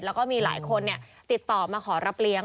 แล้วก็มีหลายคนติดต่อมาขอรับเลี้ยง